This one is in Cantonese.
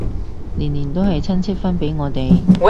年年都係親戚分俾我哋